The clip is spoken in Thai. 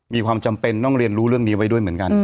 มีความจำเป็นต้องเรียนรู้เรื่องนี้ไว้ด้วยเหมือนกัน